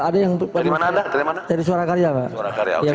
dari mana anda dari mana dari suara karya pak